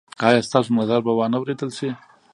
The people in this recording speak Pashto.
ایا ستاسو نظر به وا نه وریدل شي؟